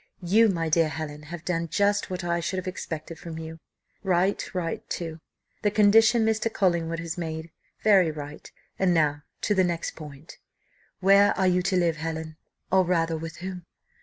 You, my dear Helen, have done just what I should have expected from you, right; right, too, the condition Mr. Collingwood has made very right. And now to the next point: where are you to live, Helen? or rather with whom?"